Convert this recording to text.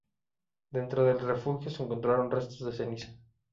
Dentro del refugio se encontraron restos de ceniza.